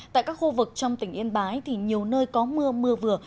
tại các khu vực trong tỉnh yên bái thì nhiều nơi có mưa mưa vừa